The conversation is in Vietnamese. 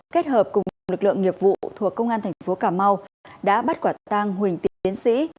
kết hợp cùng nhiều lực lượng nghiệp vụ thuộc công an thành phố cà mau đã bắt quả tang huỳnh tiến sĩ